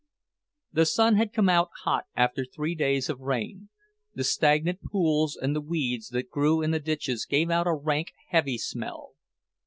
The sun had come out hot after three days of rain. The stagnant pools and the weeds that grew in the ditches gave out a rank, heavy smell.